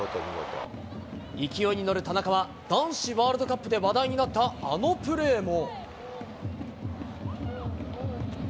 勢いに乗る田中は、男子ワールドカップで話題になったあのプレーも。